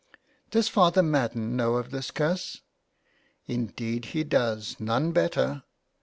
'' Does Father Madden know of this curse ?"" Indeed he does ; none better."